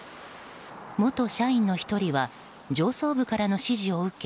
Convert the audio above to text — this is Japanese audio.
元社員の１人は上層部からの指示を受け